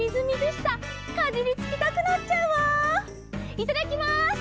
いただきます！